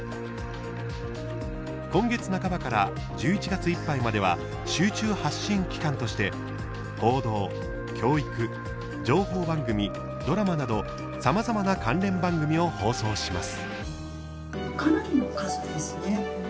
今月半ばから１１月いっぱいまでは集中発信期間として報道、教育、情報番組ドラマなどさまざまな関連番組を放送します。＃